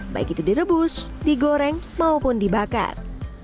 baik itu direbus digoreng maupun dibakar